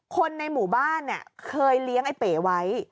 คนในหมู่บ้านเนี่ยเคยเลี้ยงไอ้เป๋ไว้